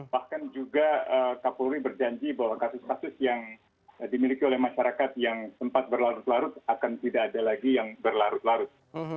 bahkan juga kapolri berjanji bahwa kasus kasus yang dimiliki oleh masyarakat yang sempat berlarut larut akan tidak ada lagi yang berlarut larut